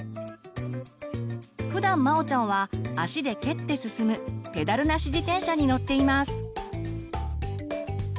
ふだんまおちゃんは足で蹴って進む「ペダルなし自転車」に乗っています。